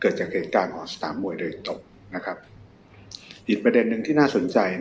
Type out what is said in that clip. เกิดจากเหตุการณ์ของสถานบริการมวยโดยศาลตรงผิดประเด็นหนึ่งที่น่าสนใจ